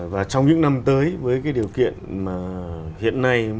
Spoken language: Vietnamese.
và trong những năm tới với cái điều kiện mà hiện nay